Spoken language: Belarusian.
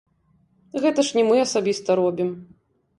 Гэта ж не мы асабіста робім.